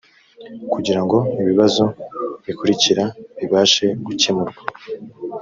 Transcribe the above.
kugira ngo ibibazo bikurikira bibashe gukemurwa